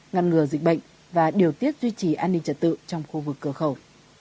ngăn ngừa dịch bệnh và điều tiết duy trì an ninh trật tự trong khu vực cửa khẩu